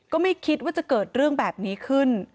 ก็ไม่คิดว่าจะเกิดเรื่องแบบนี้ขึ้น